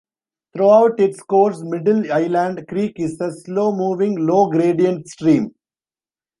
Throughout its course Middle Island Creek is a slow-moving, low-gradient stream.